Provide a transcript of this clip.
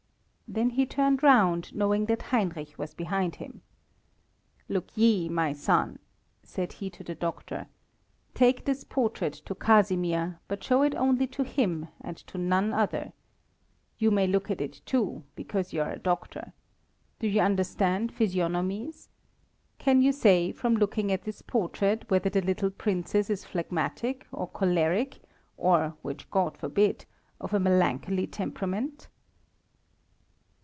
Then he turned round, knowing that Heinrich was behind him. "Look ye, my son," said he to the doctor, "take this portrait to Casimir, but show it only to him and to none other. You may look at it, too, because you are a doctor. Do you understand physiognomies? Can you say, from looking at this portrait, whether the little Princess is phlegmatic, or choleric, or, which God forbid, of a melancholy temperament?"